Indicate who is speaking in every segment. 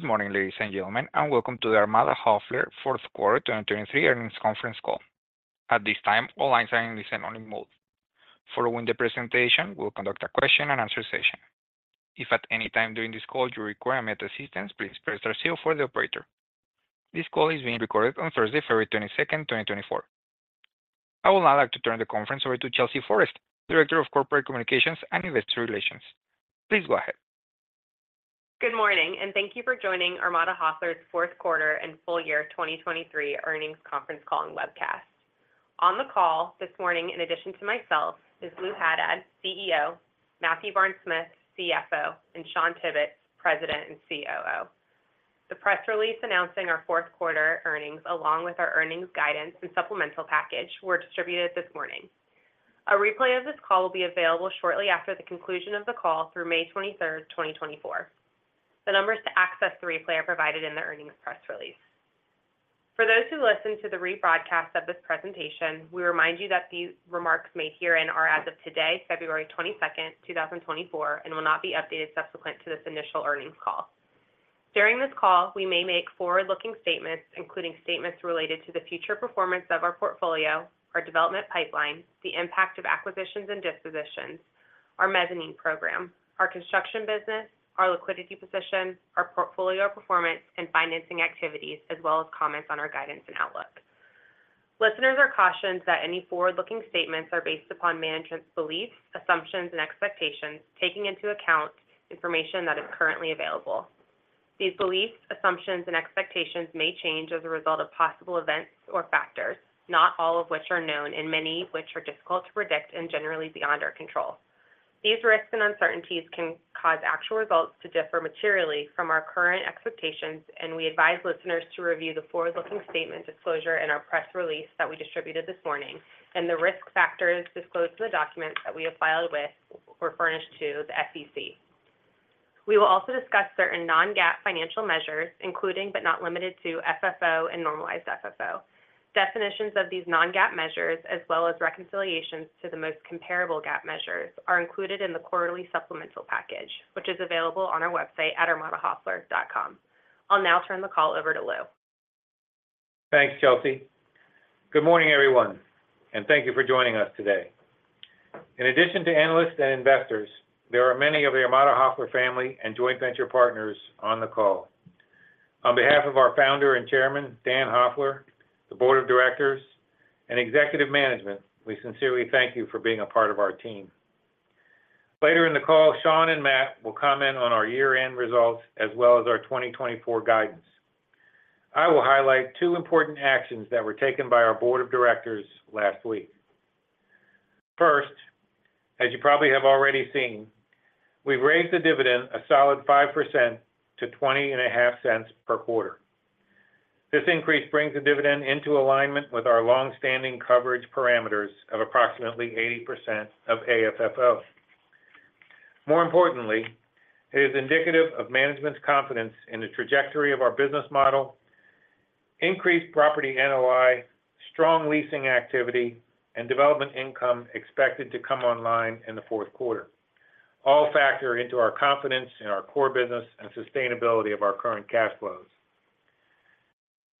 Speaker 1: Good morning, ladies and gentlemen, and welcome to the Armada Hoffler Fourth Quarter 2023 Earnings Conference Call. At this time, all lines are in listen-only mode. Following the presentation, we'll conduct a Q&A session. If at any time during this call you require operator assistance, please press star zero for the operator. This call is being recorded on Thursday, February 22, 2024. I would now like to turn the conference over to Chelsea Forrest, Director of Corporate Communications and Investor Relations. Please go ahead.
Speaker 2: Good morning, and thank you for joining Armada Hoffler's Fourth Quarter and Full Year 2023 Earnings Conference Call and webcast. On the call this morning, in addition to myself, is Lou Haddad, CEO; Matthew Barnes-Smith, CFO; and Shawn Tibbetts, President and COO. The press release announcing our Fourth Quarter earnings, along with our earnings guidance and supplemental package, were distributed this morning. A replay of this call will be available shortly after the conclusion of the call through May 23, 2024. The numbers to access the replay are provided in the earnings press release. For those who listened to the rebroadcast of this presentation, we remind you that the remarks made herein are as of today, February 22, 2024, and will not be updated subsequent to this initial earnings call. During this call, we may make forward-looking statements, including statements related to the future performance of our portfolio, our development pipeline, the impact of acquisitions and dispositions, our mezzanine program, our construction business, our liquidity position, our portfolio performance and financing activities, as well as comments on our guidance and outlook. Listeners are cautioned that any forward-looking statements are based upon management's beliefs, assumptions, and expectations, taking into account information that is currently available. These beliefs, assumptions, and expectations may change as a result of possible events or factors, not all of which are known, and many of which are difficult to predict and generally beyond our control. These risks and uncertainties can cause actual results to differ materially from our current expectations, and we advise listeners to review the forward-looking statement disclosure in our press release that we distributed this morning and the risk factors disclosed in the documents that we have filed with or furnished to the SEC. We will also discuss certain non-GAAP financial measures, including but not limited to FFO and normalized FFO. Definitions of these non-GAAP measures, as well as reconciliations to the most comparable GAAP measures, are included in the quarterly supplemental package, which is available on our website at armadahoffler.com. I'll now turn the call over to Lou.
Speaker 3: Thanks, Chelsea. Good morning, everyone, and thank you for joining us today. In addition to analysts and investors, there are many of the Armada Hoffler family and joint venture partners on the call. On behalf of our Founder and Chairman, Dan Hoffler, the board of directors, and executive management, we sincerely thank you for being a part of our team. Later in the call, Shawn and Matt will comment on our year-end results as well as our 2024 guidance. I will highlight two important actions that were taken by our board of directors last week. First, as you probably have already seen, we've raised the dividend a solid 5% to $0.205 per quarter. This increase brings the dividend into alignment with our longstanding coverage parameters of approximately 80% of AFFO. More importantly, it is indicative of management's confidence in the trajectory of our business model, increased property NOI, strong leasing activity, and development income expected to come online in the fourth quarter. All factor into our confidence in our core business and sustainability of our current cash flows.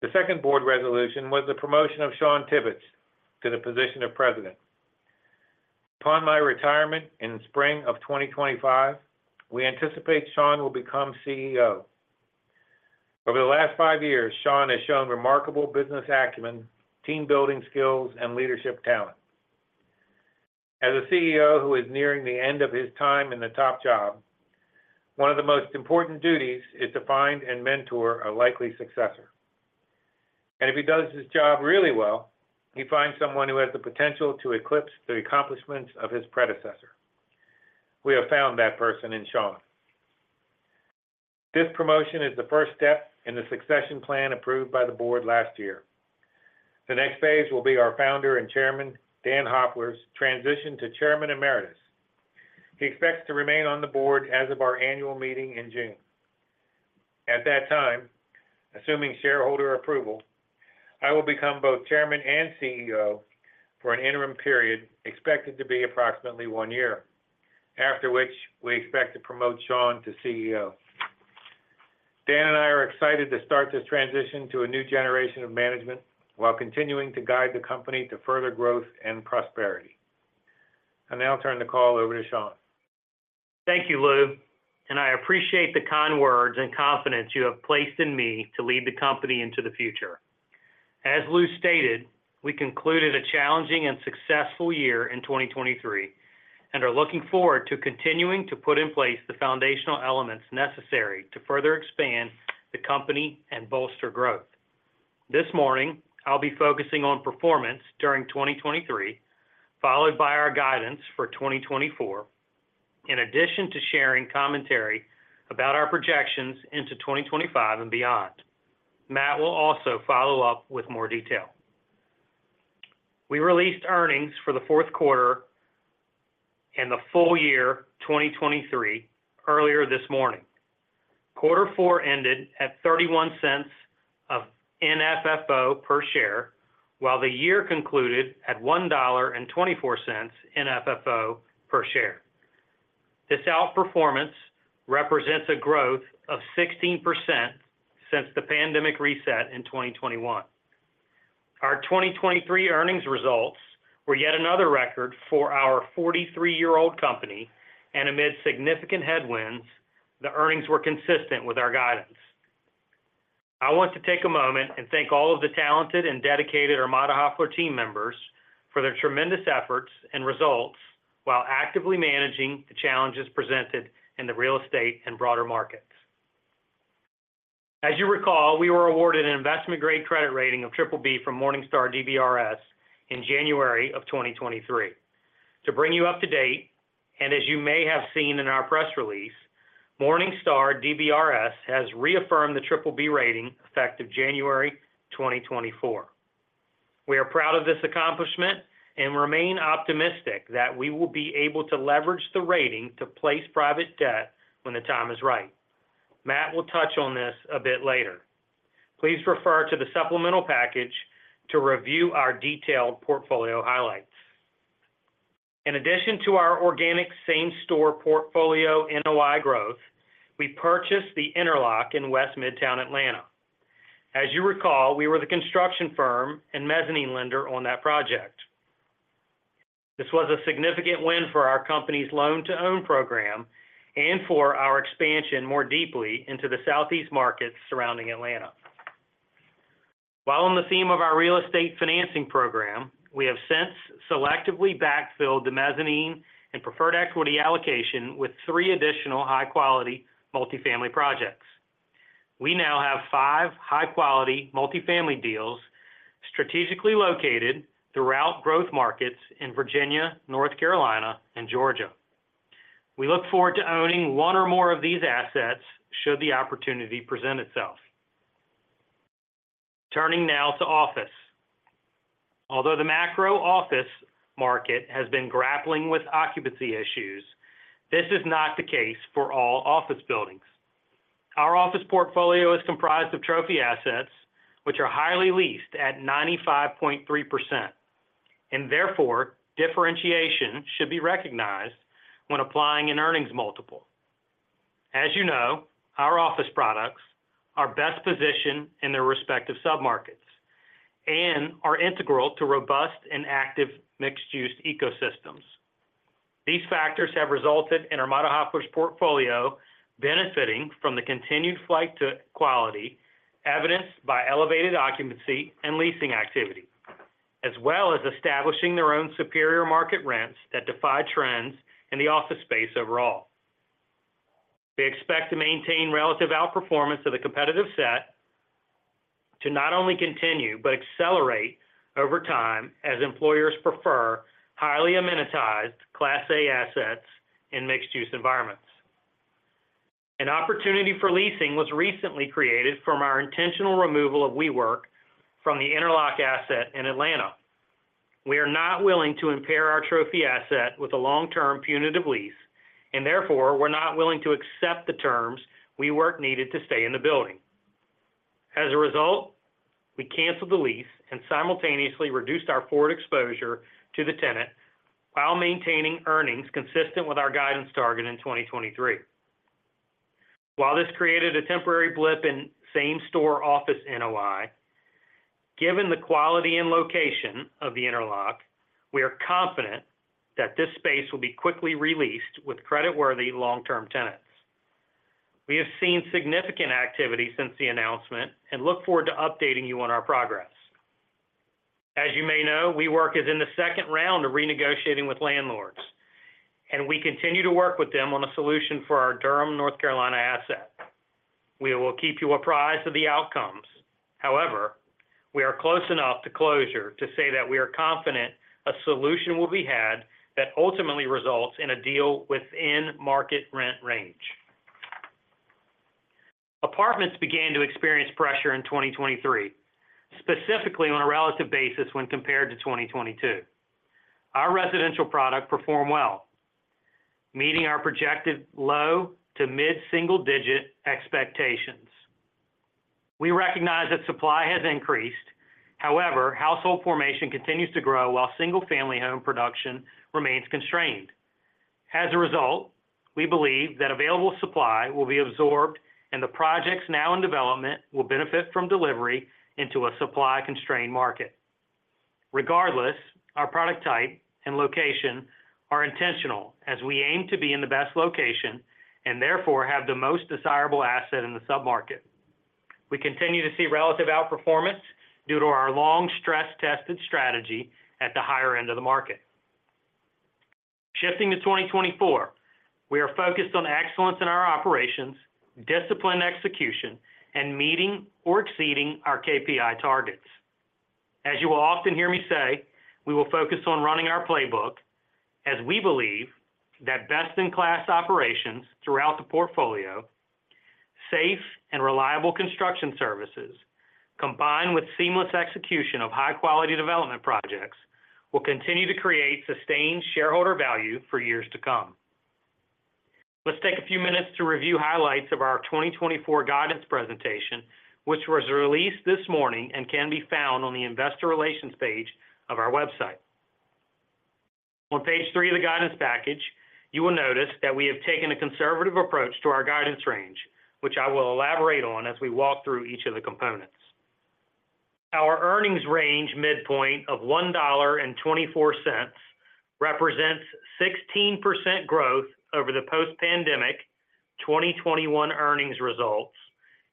Speaker 3: The second board resolution was the promotion of Shawn Tibbetts to the position of President. Upon my retirement in spring of 2025, we anticipate Shawn will become CEO. Over the last five years, Shawn has shown remarkable business acumen, team-building skills, and leadership talent. As a CEO who is nearing the end of his time in the top job, one of the most important duties is to find and mentor a likely successor. And if he does his job really well, he finds someone who has the potential to eclipse the accomplishments of his predecessor. We have found that person in Shawn. This promotion is the first step in the succession plan approved by the board last year. The next phase will be our Founder and Chairman, Dan Hoffler's, transition to Chairman Emeritus. He expects to remain on the board as of our annual meeting in June. At that time, assuming shareholder approval, I will become both Chairman and CEO for an interim period expected to be approximately one year, after which we expect to promote Shawn to CEO. Dan and I are excited to start this transition to a new generation of management while continuing to guide the company to further growth and prosperity. I'll now turn the call over to Shawn.
Speaker 4: Thank you, Lou, and I appreciate the kind words and confidence you have placed in me to lead the company into the future. As Lou stated, we concluded a challenging and successful year in 2023 and are looking forward to continuing to put in place the foundational elements necessary to further expand the company and bolster growth. This morning, I'll be focusing on performance during 2023, followed by our guidance for 2024, in addition to sharing commentary about our projections into 2025 and beyond. Matt will also follow up with more detail. We released earnings for the fourth quarter and the full year 2023 earlier this morning. Quarter four ended at $0.31 NFFO per share, while the year concluded at $1.24 NFFO per share. This outperformance represents a growth of 16% since the pandemic reset in 2021. Our 2023 earnings results were yet another record for our 43-year-old company, and amid significant headwinds, the earnings were consistent with our guidance. I want to take a moment and thank all of the talented and dedicated Armada Hoffler team members for their tremendous efforts and results while actively managing the challenges presented in the real estate and broader markets. As you recall, we were awarded an investment-grade credit rating of BBB from Morningstar DBRS in January of 2023. To bring you up to date, and as you may have seen in our press release, Morningstar DBRS has reaffirmed the BBB rating effective January 2024. We are proud of this accomplishment and remain optimistic that we will be able to leverage the rating to place private debt when the time is right. Matt will touch on this a bit later. Please refer to the supplemental package to review our detailed portfolio highlights. In addition to our organic same-store portfolio NOI growth, we purchased The Interlock in West Midtown, Atlanta. As you recall, we were the construction firm and mezzanine lender on that project. This was a significant win for our company's loan-to-own program and for our expansion more deeply into the Southeast markets surrounding Atlanta. While on the theme of our real estate financing program, we have since selectively backfilled the mezzanine and preferred equity allocation with three additional high-quality multifamily projects. We now have five high-quality multifamily deals strategically located throughout growth markets in Virginia, North Carolina, and Georgia. We look forward to owning one or more of these assets should the opportunity present itself. Turning now to office. Although the macro office market has been grappling with occupancy issues, this is not the case for all office buildings. Our office portfolio is comprised of trophy assets, which are highly leased at 95.3%, and therefore differentiation should be recognized when applying an earnings multiple. As you know, our office products are best positioned in their respective submarkets and are integral to robust and active mixed-use ecosystems. These factors have resulted in Armada Hoffler's portfolio benefiting from the continued flight to quality, evidenced by elevated occupancy and leasing activity, as well as establishing their own superior market rents that defy trends in the office space overall. We expect to maintain relative outperformance of the competitive set to not only continue but accelerate over time as employers prefer highly amenitized Class A assets in mixed-use environments. An opportunity for leasing was recently created from our intentional removal of WeWork from The Interlock asset in Atlanta. We are not willing to impair our trophy asset with a long-term punitive lease, and therefore we're not willing to accept the terms WeWork needed to stay in the building. As a result, we canceled the lease and simultaneously reduced our forward exposure to the tenant while maintaining earnings consistent with our guidance target in 2023. While this created a temporary blip in same-store office NOI, given the quality and location of The Interlock, we are confident that this space will be quickly released with creditworthy long-term tenants. We have seen significant activity since the announcement and look forward to updating you on our progress. As you may know, WeWork is in the second round of renegotiating with landlords, and we continue to work with them on a solution for our Durham, North Carolina asset. We will keep you apprised of the outcomes. However, we are close enough to closure to say that we are confident a solution will be had that ultimately results in a deal within market rent range. Apartments began to experience pressure in 2023, specifically on a relative basis when compared to 2022. Our residential product performed well, meeting our projected low to mid-single digit expectations. We recognize that supply has increased. However, household formation continues to grow while single-family home production remains constrained. As a result, we believe that available supply will be absorbed, and the projects now in development will benefit from delivery into a supply-constrained market. Regardless, our product type and location are intentional as we aim to be in the best location and therefore have the most desirable asset in the submarket. We continue to see relative outperformance due to our long-stress-tested strategy at the higher end of the market. Shifting to 2024, we are focused on excellence in our operations, disciplined execution, and meeting or exceeding our KPI targets. As you will often hear me say, we will focus on running our playbook as we believe that best-in-class operations throughout the portfolio, safe and reliable construction services combined with seamless execution of high-quality development projects will continue to create sustained shareholder value for years to come. Let's take a few minutes to review highlights of our 2024 guidance presentation, which was released this morning and can be found on the investor relations page of our website. On page three of the guidance package, you will notice that we have taken a conservative approach to our guidance range, which I will elaborate on as we walk through each of the components. Our earnings range midpoint of $1.24 represents 16% growth over the post-pandemic 2021 earnings results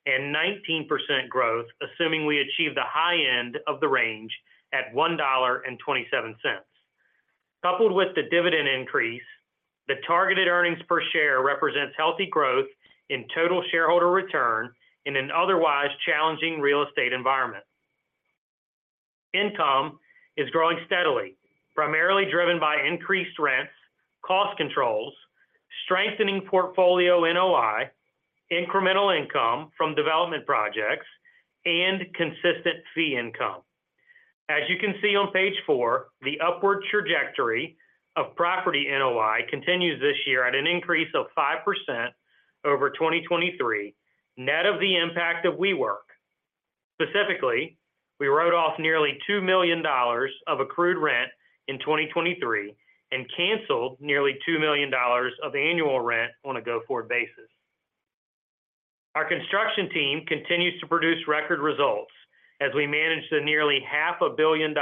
Speaker 4: and 19% growth assuming we achieve the high end of the range at $1.27. Coupled with the dividend increase, the targeted earnings per share represents healthy growth in total shareholder return in an otherwise challenging real estate environment. Income is growing steadily, primarily driven by increased rents, cost controls, strengthening portfolio NOI, incremental income from development projects, and consistent fee income. As you can see on page four, the upward trajectory of property NOI continues this year at an increase of 5% over 2023 net of the impact of WeWork. Specifically, we wrote off nearly $2 million of accrued rent in 2023 and canceled nearly $2 million of annual rent on a go-forward basis. Our construction team continues to produce record results as we manage the nearly $500 million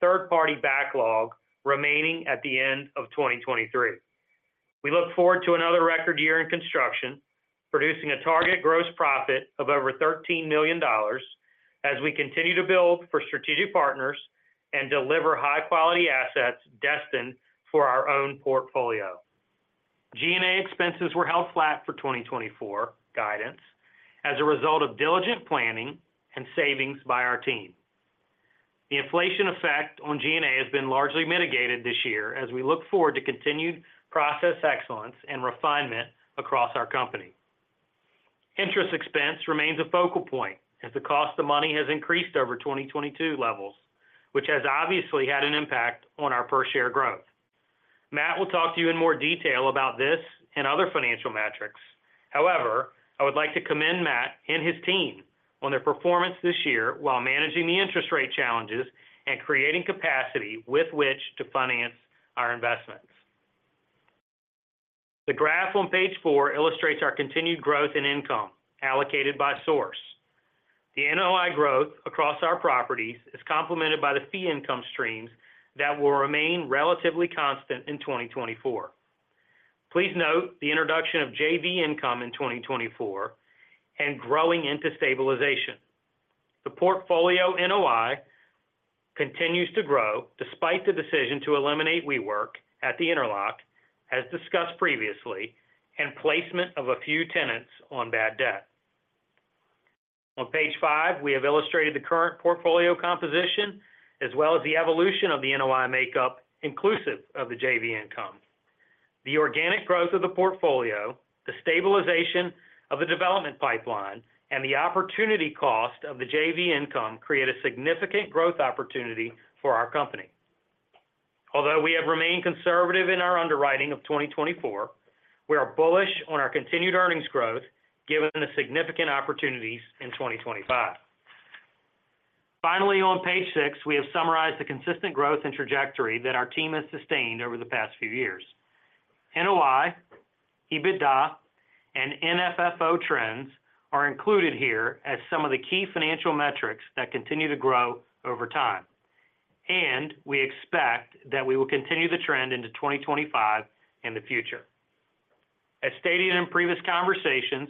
Speaker 4: third-party backlog remaining at the end of 2023. We look forward to another record year in construction, producing a target gross profit of over $13 million as we continue to build for strategic partners and deliver high-quality assets destined for our own portfolio. G&A expenses were held flat for 2024 guidance as a result of diligent planning and savings by our team. The inflation effect on G&A has been largely mitigated this year as we look forward to continued process excellence and refinement across our company. Interest expense remains a focal point as the cost of money has increased over 2022 levels, which has obviously had an impact on our per-share growth. Matt will talk to you in more detail about this and other financial metrics. However, I would like to commend Matt and his team on their performance this year while managing the interest rate challenges and creating capacity with which to finance our investments. The graph on page four illustrates our continued growth in income allocated by source. The NOI growth across our properties is complemented by the fee income streams that will remain relatively constant in 2024. Please note the introduction of JV income in 2024 and growing into stabilization. The portfolio NOI continues to grow despite the decision to eliminate WeWork at The Interlock, as discussed previously, and placement of a few tenants on bad debt. On page five, we have illustrated the current portfolio composition as well as the evolution of the NOI makeup inclusive of the JV income. The organic growth of the portfolio, the stabilization of the development pipeline, and the opportunity cost of the JV income create a significant growth opportunity for our company. Although we have remained conservative in our underwriting of 2024, we are bullish on our continued earnings growth given the significant opportunities in 2025. Finally, on page six, we have summarized the consistent growth and trajectory that our team has sustained over the past few years. NOI, EBITDA, and NFFO trends are included here as some of the key financial metrics that continue to grow over time, and we expect that we will continue the trend into 2025 and the future. As stated in previous conversations,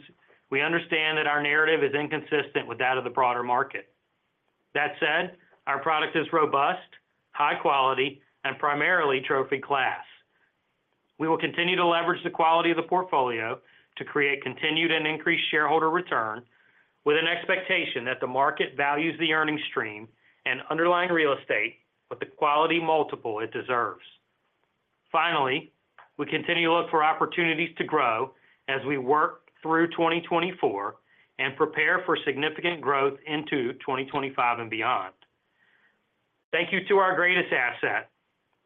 Speaker 4: we understand that our narrative is inconsistent with that of the broader market. That said, our product is robust, high quality, and primarily trophy class. We will continue to leverage the quality of the portfolio to create continued and increased shareholder return with an expectation that the market values the earnings stream and underlying real estate with the quality multiple it deserves. Finally, we continue to look for opportunities to grow as we work through 2024 and prepare for significant growth into 2025 and beyond. Thank you to our greatest asset,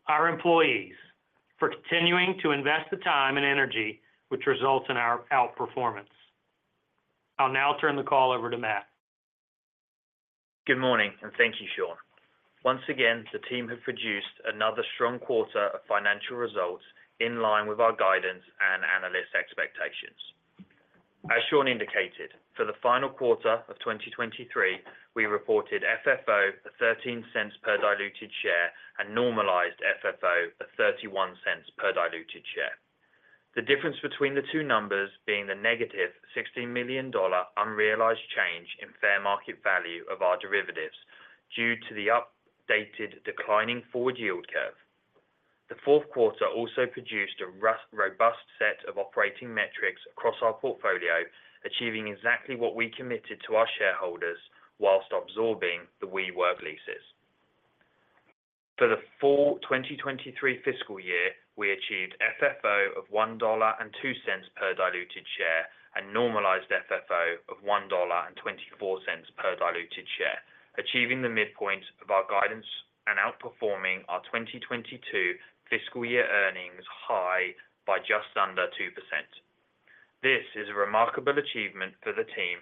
Speaker 4: our employees, for continuing to invest the time and energy, which results in our outperformance. I'll now turn the call over to Matt.
Speaker 5: Good morning, and thank you, Shawn. Once again, the team have produced another strong quarter of financial results in line with our guidance and analyst expectations. As Shawn indicated, for the final quarter of 2023, we reported FFO of $0.13 per diluted share and normalized FFO of $0.31 per diluted share, the difference between the two numbers being the negative $16 million unrealized change in fair market value of our derivatives due to the updated declining forward yield curve. The fourth quarter also produced a robust set of operating metrics across our portfolio, achieving exactly what we committed to our shareholders while absorbing the WeWork leases. For the full 2023 fiscal year, we achieved FFO of $1.02 per diluted share and normalized FFO of $1.24 per diluted share, achieving the midpoint of our guidance and outperforming our 2022 fiscal year earnings high by just under 2%. This is a remarkable achievement for the team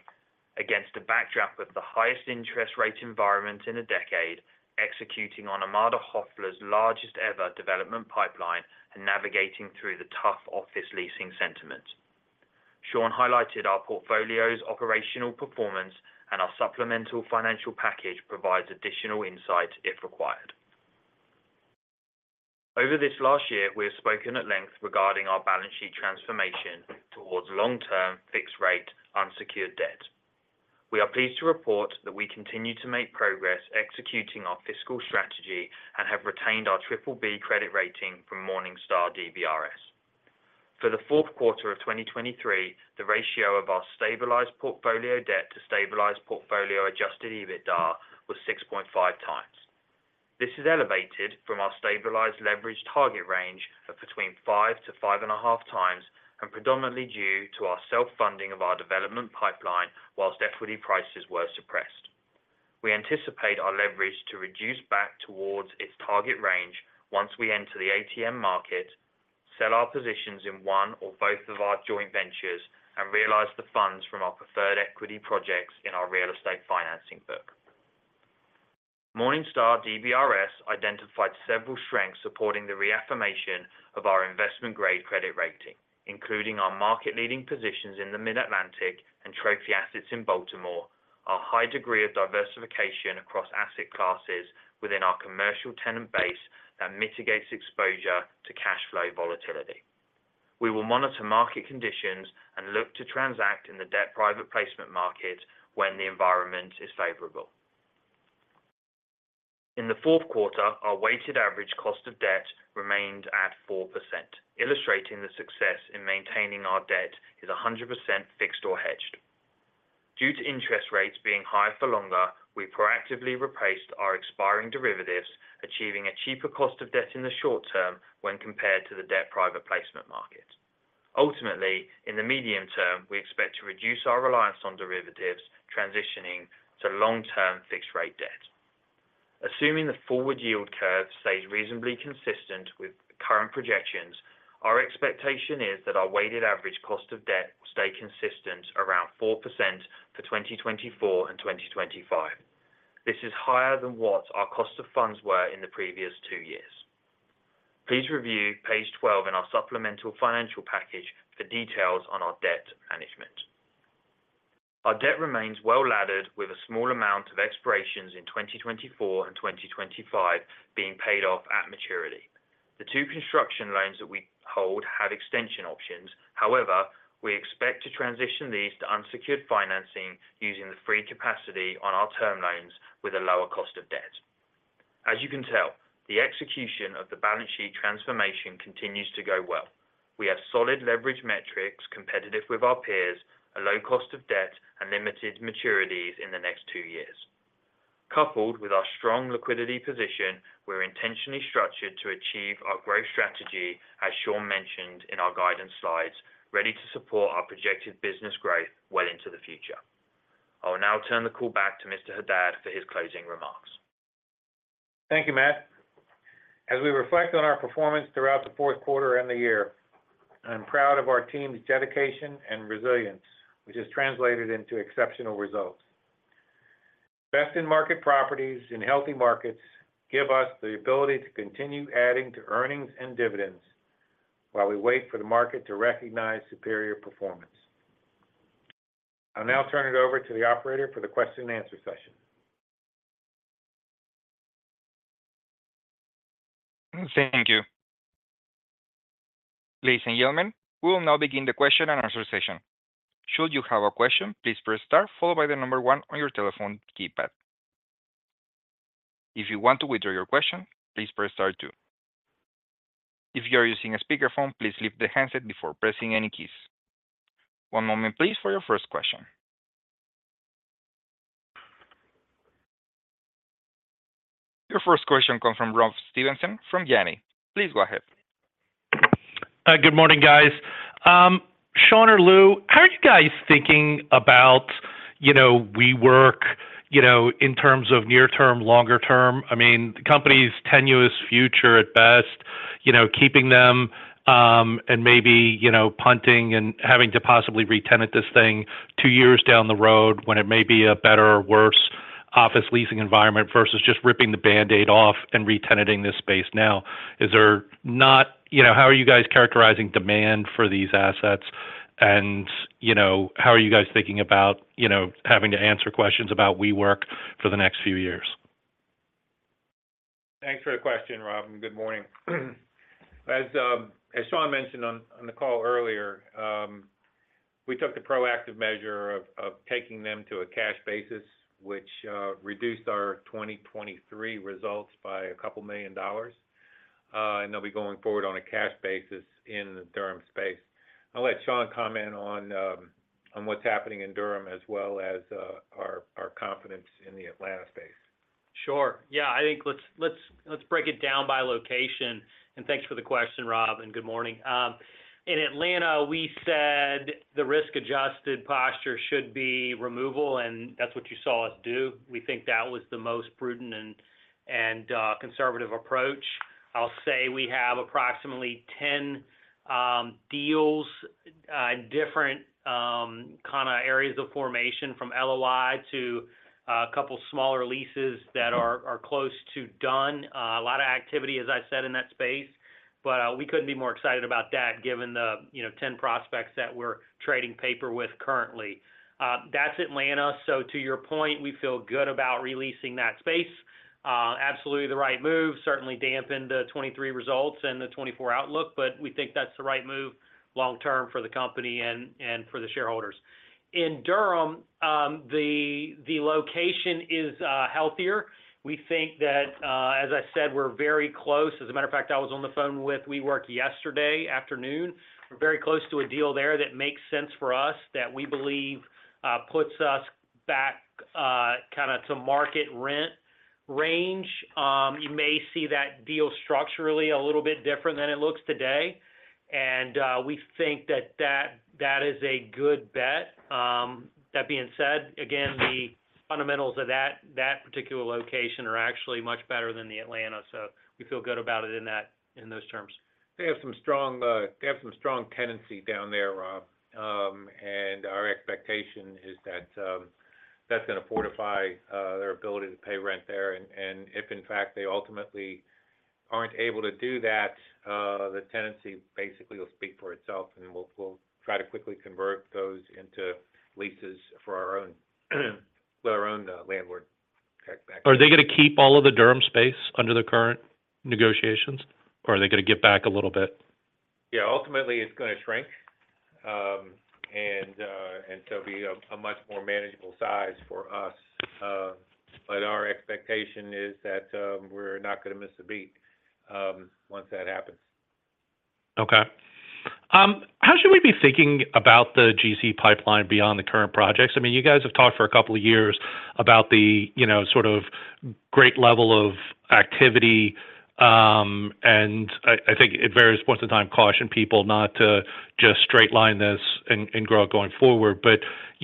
Speaker 5: against a backdrop of the highest interest rate environment in a decade, executing on Armada Hoffler's largest-ever development pipeline and navigating through the tough office leasing sentiment. Shawn highlighted our portfolio's operational performance, and our supplemental financial package provides additional insight if required. Over this last year, we have spoken at length regarding our balance sheet transformation towards long-term fixed-rate unsecured debt. We are pleased to report that we continue to make progress executing our fiscal strategy and have retained our BBB credit rating from Morningstar DBRS. For the fourth quarter of 2023, the ratio of our stabilized portfolio debt to stabilized portfolio adjusted EBITDA was 6.5 times. This is elevated from our stabilized leveraged target range of between 5-5.5 times and predominantly due to our self-funding of our development pipeline whilst equity prices were suppressed. We anticipate our leverage to reduce back towards its target range once we enter the ATM market, sell our positions in one or both of our joint ventures, and realize the funds from our preferred equity projects in our real estate financing book. Morningstar DBRS identified several strengths supporting the reaffirmation of our investment-grade credit rating, including our market-leading positions in the Mid-Atlantic and trophy assets in Baltimore, our high degree of diversification across asset classes within our commercial tenant base that mitigates exposure to cash flow volatility. We will monitor market conditions and look to transact in the debt private placement market when the environment is favorable. In the fourth quarter, our weighted average cost of debt remained at 4%, illustrating the success in maintaining our debt as 100% fixed or hedged. Due to interest rates being higher for longer, we proactively replaced our expiring derivatives, achieving a cheaper cost of debt in the short term when compared to the debt private placement market. Ultimately, in the medium term, we expect to reduce our reliance on derivatives, transitioning to long-term fixed-rate debt. Assuming the forward yield curve stays reasonably consistent with current projections, our expectation is that our weighted average cost of debt will stay consistent around 4% for 2024 and 2025. This is higher than what our cost of funds were in the previous two years. Please review page 12 in our supplemental financial package for details on our debt management. Our debt remains well laddered, with a small amount of expirations in 2024 and 2025 being paid off at maturity. The two construction loans that we hold have extension options. However, we expect to transition these to unsecured financing using the free capacity on our term loans with a lower cost of debt. As you can tell, the execution of the balance sheet transformation continues to go well. We have solid leverage metrics competitive with our peers, a low cost of debt, and limited maturities in the next two years. Coupled with our strong liquidity position, we're intentionally structured to achieve our growth strategy, as Shawn mentioned in our guidance slides, ready to support our projected business growth well into the future. I will now turn the call back to Mr. Haddad for his closing remarks.
Speaker 3: Thank you, Matt. As we reflect on our performance throughout the fourth quarter and the year, I'm proud of our team's dedication and resilience, which has translated into exceptional results. Best-in-market properties in healthy markets give us the ability to continue adding to earnings and dividends while we wait for the market to recognize superior performance. I'll now turn it over to the operator for the Q&A session.
Speaker 1: Thank you. Ladies and gentlemen, we will now begin the question and answer session. Should you have a question, please press star followed by the number one on your telephone keypad. If you want to withdraw your question, please press star two. If you are using a speakerphone, please lift the handset before pressing any keys. One moment, please, for your first question. Your first question comes from Rob Stevenson from Janney. Please go ahead.
Speaker 6: Good morning, guys. Shawn or Lou, how are you guys thinking about WeWork in terms of near-term, longer term? I mean, the company's tenuous future at best, keeping them and maybe punting and having to possibly re-tenant this thing two years down the road when it may be a better or worse office leasing environment versus just ripping the Band-Aid off and re-tenanting this space now. How are you guys characterizing demand for these assets, and how are you guys thinking about having to answer questions about WeWork for the next few years?
Speaker 3: Thanks for the question, Rob. Good morning. As Shawn mentioned on the call earlier, we took the proactive measure of taking them to a cash basis, which reduced our 2023 results by $2 million, and they'll be going forward on a cash basis in the Durham space. I'll let Shawn comment on what's happening in Durham as well as our confidence in the Atlanta space.
Speaker 4: Sure. Yeah. I think, let's break it down by location. Thanks for the question, Rob, and good morning. In Atlanta, we said the risk-adjusted posture should be removal, and that's what you saw us do. We think that was the most prudent and conservative approach. I'll say we have approximately 10 deals in different kind of areas of formation from LOI to a couple smaller leases that are close to done. A lot of activity, as I said, in that space, but we couldn't be more excited about that given the 10 prospects that we're trading paper with currently. That's Atlanta. So to your point, we feel good about releasing that space. Absolutely the right move, certainly dampen the 2023 results and the 2024 outlook, but we think that's the right move long-term for the company and for the shareholders. In Durham, the location is healthier. We think that, as I said, we're very close. As a matter of fact, I was on the phone with WeWork yesterday afternoon. We're very close to a deal there that makes sense for us, that we believe puts us back kind of to market rent range. You may see that deal structurally a little bit different than it looks today, and we think that that is a good bet. That being said, again, the fundamentals of that particular location are actually much better than the Atlanta, so we feel good about it in those terms.
Speaker 3: They have some strong tenancy down there, Rob, and our expectation is that that's going to fortify their ability to pay rent there. If, in fact, they ultimately aren't able to do that, the tenancy basically will speak for itself, and we'll try to quickly convert those into leases with our own landlord back.
Speaker 6: Are they going to keep all of the Durham space under the current negotiations, or are they going to get back a little bit?
Speaker 3: Yeah. Ultimately, it's going to shrink, and so it'll be a much more manageable size for us. But our expectation is that we're not going to miss a beat once that happens.
Speaker 6: Okay. How should we be thinking about the GC pipeline beyond the current projects? I mean, you guys have talked for a couple of years about the sort of great level of activity, and I think it varies from time to time, cautioning people not to just straight-line this and grow it going forward. But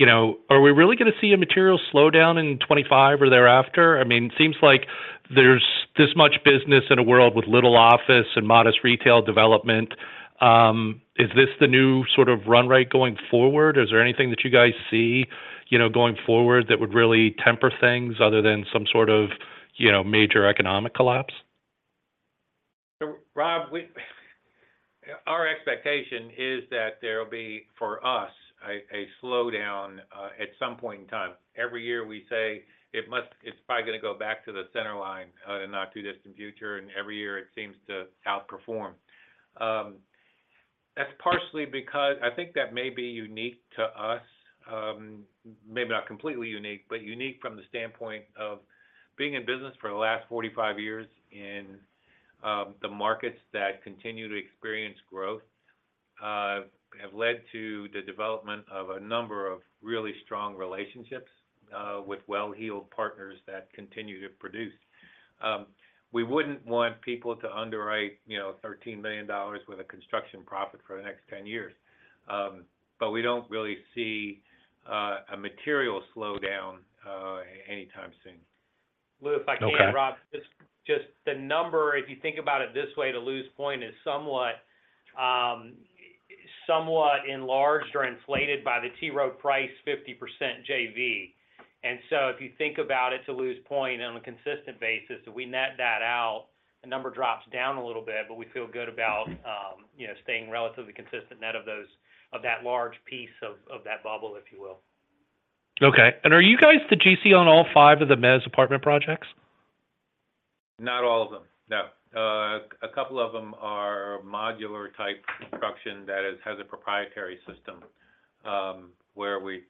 Speaker 6: are we really going to see a material slowdown in 2025 or thereafter? I mean, it seems like there's this much business in a world with little office and modest retail development. Is this the new sort of run rate going forward? Is there anything that you guys see going forward that would really temper things other than some sort of major economic collapse?
Speaker 3: Rob, our expectation is that there'll be, for us, a slowdown at some point in time. Every year, we say it's probably going to go back to the centerline in a not-too-distant future, and every year, it seems to outperform. That's partially because I think that may be unique to us, maybe not completely unique, but unique from the standpoint of being in business for the last 45 years in the markets that continue to experience growth have led to the development of a number of really strong relationships with well-heeled partners that continue to produce. We wouldn't want people to underwrite $13 million worth of construction profit for the next 10 years, but we don't really see a material slowdown anytime soon.
Speaker 4: Lou, if I can, Rob, just the number, if you think about it this way, the loose point is somewhat enlarged or inflated by the T. Rowe Price 50% JV. And so if you think about it to lose point on a consistent basis, if we net that out, the number drops down a little bit, but we feel good about staying relatively consistent net of that large piece of that bubble, if you will.
Speaker 6: Okay. And are you guys the GC on all five of the mezz apartment projects?
Speaker 3: Not all of them, no. A couple of them are modular-type construction that has a proprietary system where we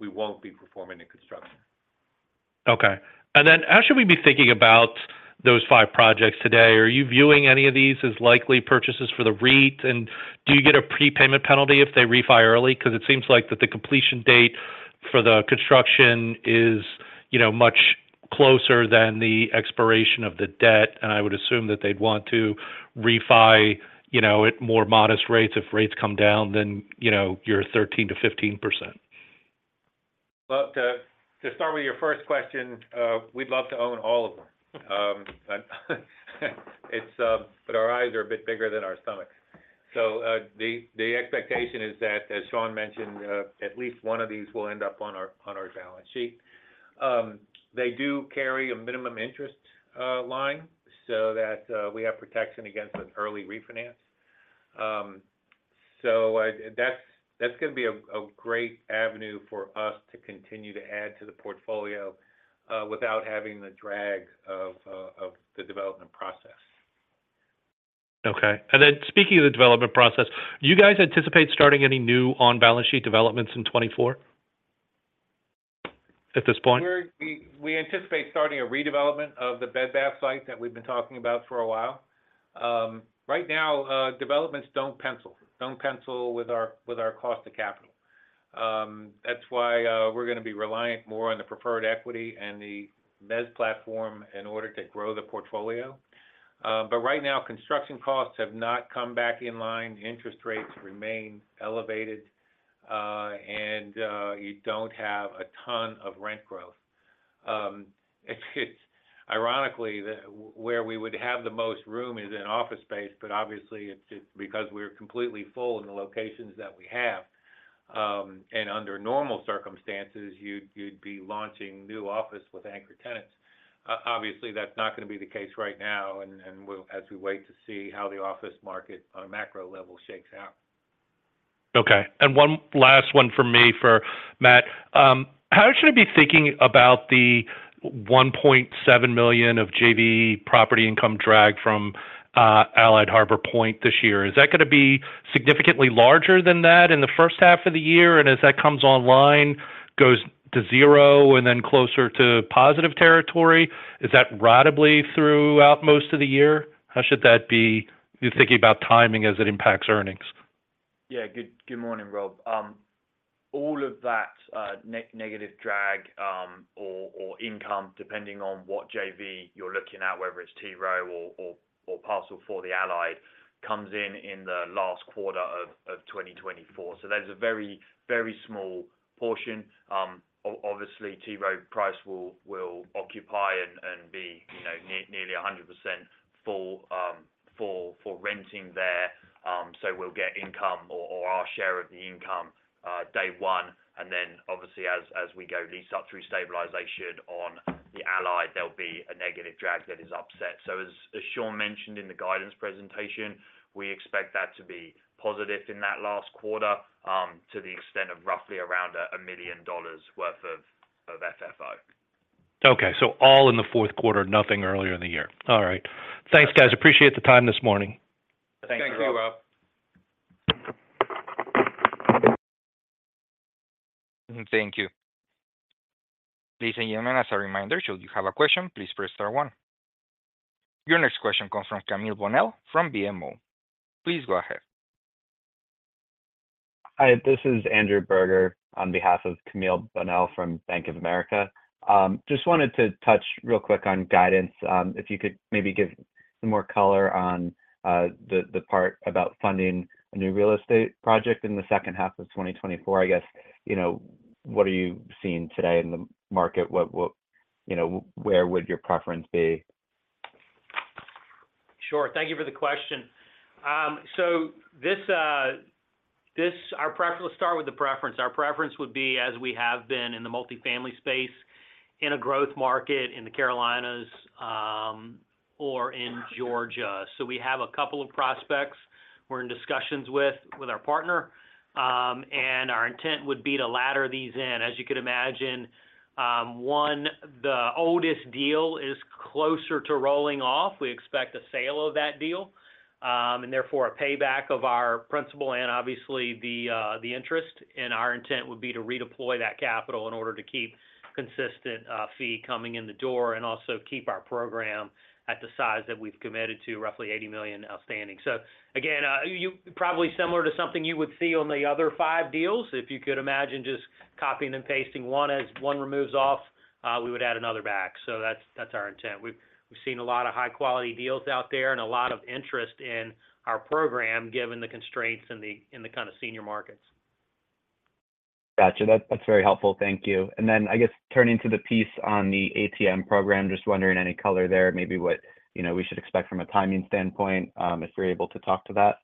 Speaker 3: won't be performing the construction.
Speaker 6: Okay. And then how should we be thinking about those five projects today? Are you viewing any of these as likely purchases for the REIT, and do you get a prepayment penalty if they refi early? Because it seems like that the completion date for the construction is much closer than the expiration of the debt, and I would assume that they'd want to refi at more modest rates if rates come down than your 13%-15%.
Speaker 3: Well, to start with your first question, we'd love to own all of them, but our eyes are a bit bigger than our stomachs. So the expectation is that, as Shawn mentioned, at least one of these will end up on our balance sheet. They do carry a minimum interest line so that we have protection against an early refinance. So that's going to be a great avenue for us to continue to add to the portfolio without having the drag of the development process.
Speaker 6: Okay. And then speaking of the development process, do you guys anticipate starting any new on-balance sheet developments in 2024 at this point?
Speaker 3: We anticipate starting a redevelopment of the Bed Bath site that we've been talking about for a while. Right now, developments don't pencil, don't pencil with our cost of capital. That's why we're going to be reliant more on the preferred equity and the mezz platform in order to grow the portfolio. But right now, construction costs have not come back in line. Interest rates remain elevated, and you don't have a ton of rent growth. Ironically, where we would have the most room is in office space, but obviously, it's because we're completely full in the locations that we have. And under normal circumstances, you'd be launching new office with anchor tenants. Obviously, that's not going to be the case right now, and as we wait to see how the office market on a macro level shakes out.
Speaker 6: Okay. And one last one from me for Matt. How should I be thinking about the $1.7 million of JV property income drag from Allied Harbor Point this year? Is that going to be significantly larger than that in the first half of the year? And as that comes online, goes to zero and then closer to positive territory? Is that ratably throughout most of the year? How should that be? You're thinking about timing as it impacts earnings.
Speaker 5: Yeah. Good morning, Rob. All of that negative drag or income, depending on what JV you're looking at, whether it's T. Rowe or Parcel 4 for The Allied, comes in in the last quarter of 2024. So there's a very, very small portion. Obviously, T. Rowe Price will occupy and be nearly 100% full for renting there. So we'll get income or our share of the income day one. And then, obviously, as we go lease up through stabilization on The Allied, there'll be a negative drag that is upset. So as Shawn mentioned in the guidance presentation, we expect that to be positive in that last quarter to the extent of roughly around $1 million worth of FFO.
Speaker 6: Okay. So all in the fourth quarter, nothing earlier in the year. All right. Thanks, guys. Appreciate the time this morning.
Speaker 3: Thanks, Rob.
Speaker 1: Thank you. Ladies and gentlemen, as a reminder, should you have a question, please press star one. Your next question comes from Camille Bonnel from BMO. Please go ahead.
Speaker 7: Hi. This is Andrew Berger on behalf of Camille Bonnel from Bank of America. Just wanted to touch real quick on guidance. If you could maybe give some more color on the part about funding a new real estate project in the second half of 2024, I guess, what are you seeing today in the market? Where would your preference be?
Speaker 4: Sure. Thank you for the question. So our preference, let's start with the preference. Our preference would be, as we have been in the multifamily space, in a growth market in the Carolinas or in Georgia. So we have a couple of prospects we're in discussions with our partner, and our intent would be to ladder these in. As you could imagine, one, the oldest deal is closer to rolling off. We expect a sale of that deal and, therefore, a payback of our principal and, obviously, the interest. Our intent would be to redeploy that capital in order to keep consistent fee coming in the door and also keep our program at the size that we've committed to, roughly $80 million outstanding. So again, probably similar to something you would see on the other five deals. If you could imagine just copying and pasting one, as one removes off, we would add another back. So that's our intent. We've seen a lot of high-quality deals out there and a lot of interest in our program given the constraints in the kind of senior markets.
Speaker 7: Gotcha. That's very helpful. Thank you. And then I guess turning to the piece on the ATM program, just wondering any color there, maybe what we should expect from a timing standpoint if we're able to talk to that.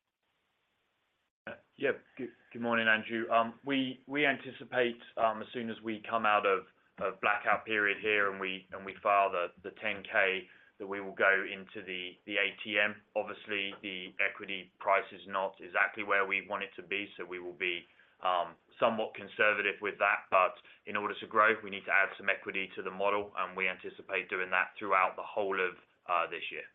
Speaker 5: Yep. Good morning, Andrew. We anticipate, as soon as we come out of blackout period here and we file the 10-K, that we will go into the ATM. Obviously, the equity price is not exactly where we want it to be, so we will be somewhat conservative with that. But in order to grow, we need to add some equity to the model, and we anticipate doing that throughout the whole of this year.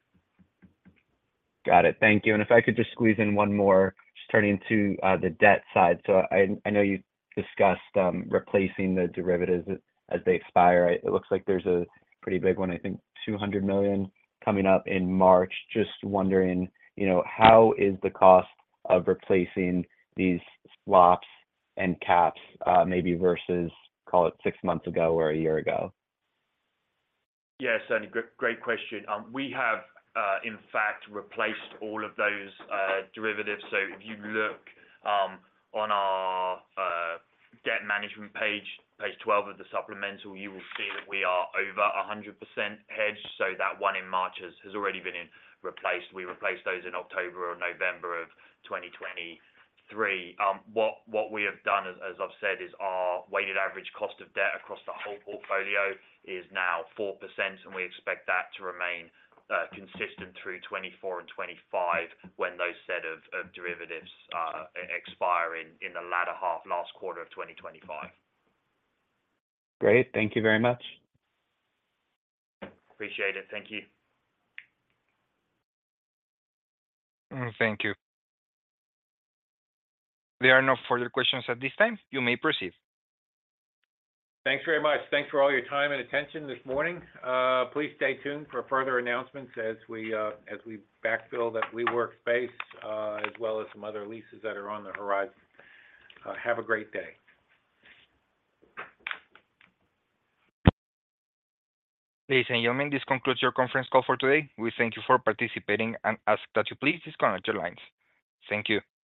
Speaker 7: Got it. Thank you. And if I could just squeeze in one more, just turning to the debt side. So I know you discussed replacing the derivatives as they expire. It looks like there's a pretty big one, I think, $200 million coming up in March. Just wondering, how is the cost of replacing these swaps and caps maybe versus, call it, six months ago or a year ago?
Speaker 5: Yes, certainly. Great question. We have, in fact, replaced all of those derivatives. So if you look on our debt management page, page 12 of the supplemental, you will see that we are over 100% hedged. So that one in March has already been replaced. We replaced those in October or November of 2023. What we have done, as I've said, is our weighted average cost of debt across the whole portfolio is now 4%, and we expect that to remain consistent through 2024 and 2025 when those set of derivatives expire in the latter half, last quarter of 2025.
Speaker 7: Great. Thank you very much.
Speaker 3: Appreciate it. Thank you.
Speaker 1: Thank you. There are no further questions at this time. You may proceed.
Speaker 3: Thanks very much. Thanks for all your time and attention this morning. Please stay tuned for further announcements as we backfill that WeWork space as well as some other leases that are on the horizon. Have a great day.
Speaker 1: Ladies and gentlemen, this concludes your conference call for today. We thank you for participating and ask that you please disconnect your lines. Thank you.